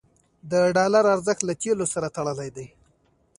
د ډالر ارزښت له تیلو سره تړلی دی.